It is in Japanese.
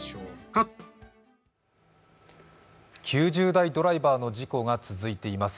９０代ドライバーの事故が続いています。